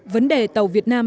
vấn đề tàu việt nam